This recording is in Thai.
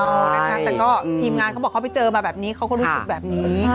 นะคะแต่ก็ทีมงานเขาบอกเขาไปเจอมาแบบนี้เขาก็รู้สึกแบบนี้